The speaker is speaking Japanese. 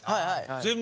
全部？